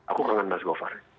aku kangen mas govar